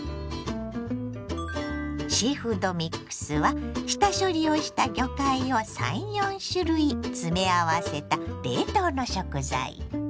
シーフードミックスは下処理をした魚介を３４種類詰め合わせた冷凍の食材。